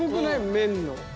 麺の。